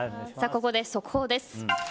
ここで速報です。